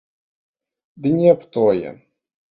Ды не аб тое.